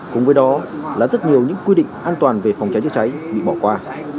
cùng với đó là rất nhiều những quy định an toàn về phòng cháy chữa cháy bị bỏ qua